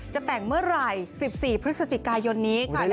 จะแต่งเมื่อไหร่๑๔พฤศจิกายนนี้ค่ะ